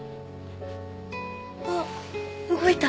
あっ動いた。